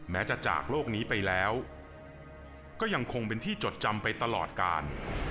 แม้จะจากโลกนี้ไปแล้วก็ยังคงเป็นที่จดจำไปตลอดกาล